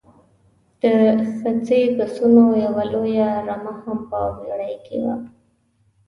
د خسي پسونو یوه لویه رمه هم په بېړۍ کې وه.